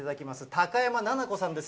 高山菜々子さんです。